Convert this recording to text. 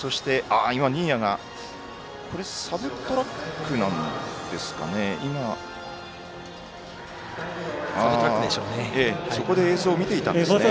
新谷がサブトラックなんでしょうかね。